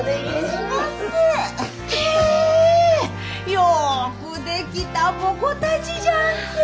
よくできたボコたちじゃんけ！